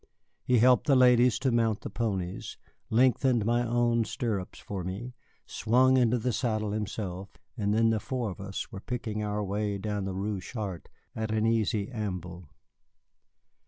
He helped the ladies to mount the ponies, lengthened my own stirrups for me, swung into the saddle himself, and then the four of us were picking our way down the Rue Chartres at an easy amble.